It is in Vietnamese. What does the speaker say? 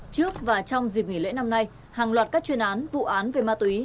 trước và trong dịp nghỉ lễ năm nay hàng loạt các chuyên án vụ án về ma túy